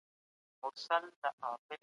راتلونکی نسل به له دې ستونزو خلاص وي.